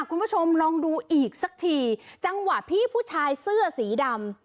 คุณผู้ชมลองดูอีกสักทีจังหวะพี่ผู้ชายเสื้อสีดำ